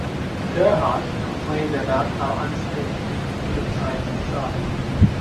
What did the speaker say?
Gerhart complained about how unscientific the human scientists are.